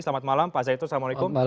selamat malam pak zaitun assalamualaikum